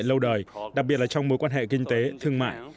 lâu đời đặc biệt là trong mối quan hệ kinh tế thương mại